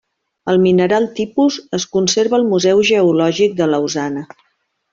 El mineral tipus es conserva al Museu Geològic de Lausana.